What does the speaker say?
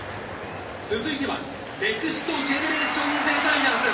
続いてはネクストジェネレーションデザイナーズ。